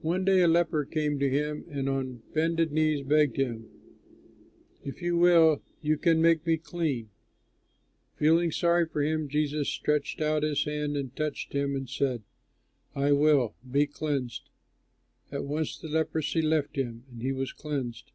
One day a leper came to him and on bended knees begged him: "If you will, you can make me clean." Feeling sorry for him, Jesus stretched out his hand and touched him, and said, "I will; be cleansed!" At once the leprosy left him and he was cleansed.